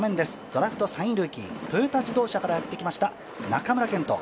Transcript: ドラフト３位ルーキー、トヨタ自動車からやってきました中村健人。